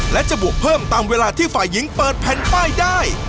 และจะบวกเพิ่มตามเวลาที่ฝ่ายหญิงเปิดแผ่นป้ายได้